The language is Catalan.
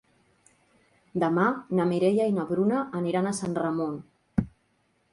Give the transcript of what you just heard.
Demà na Mireia i na Bruna aniran a Sant Ramon.